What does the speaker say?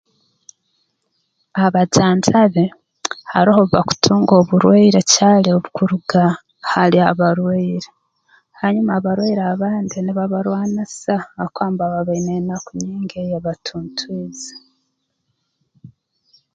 Abajanjabi haroho obu bakutunga oburwaire caali obu kuruga hali abarwaire hanyuma abarwaire abandi nibabarwanisa habwokuba mbaba baine enaku nyingi ey'ebatuntwiize